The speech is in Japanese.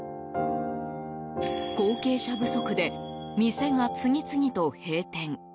後継者不足で店が次々と閉店。